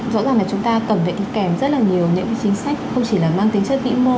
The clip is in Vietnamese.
rõ ràng là chúng ta cần phải đi kèm rất là nhiều những chính sách không chỉ là mang tính chất vĩ mô